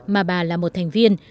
mà bà là một thành viên